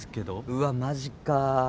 うわマジか。